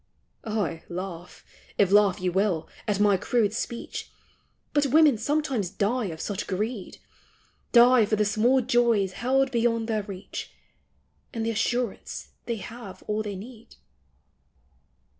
Aye, laugh, if laugh you will, at my crude speech Bat women sometimes die of such a greed,— Die for the small joys held beyond their reach, And the assurance they have all they need